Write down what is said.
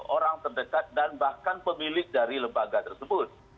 orang terdekat dan bahkan pemilik dari lembaga tersebut